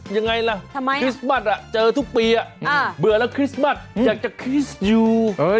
ยังไงล่ะคริสต์มัสเจอทุกปีเบื่อแล้วคริสต์มัสอยากจะคริสต์อยู่